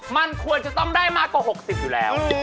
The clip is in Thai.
มันควรจะต้องได้มากกว่า๖๐อยู่แล้ว